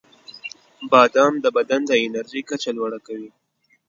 • بادام د بدن د انرژۍ کچه لوړه کوي.